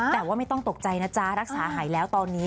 แต่ว่าไม่ต้องตกใจนะจ๊ะรักษาหายแล้วตอนนี้